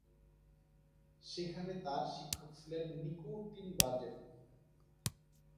সেখানে তার শিক্ষক ছিলেন নিকো টিনবার্জেন।